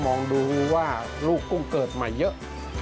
มองดูว่าลูกกุ้งเกิดใหม่เยอะ